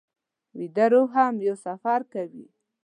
ویده روح هم یو سفر کوي